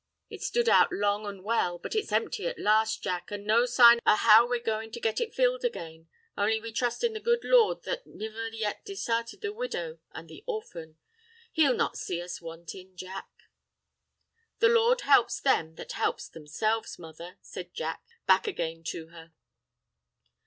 It stood out long an' well, but it's empty at last, Jack, an' no sign of how we're goin' to get it filled again—only we trust in the good Lord that niver yet disarted the widow and the orphan—He'll not see us wantin', Jack." "The Lord helps them that help themselves, mother," says Jack back again to her.